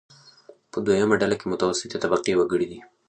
په دویمه ډله کې متوسطې طبقې وګړي دي.